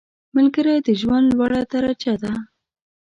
ملګری د ژوند لوړه درجه ده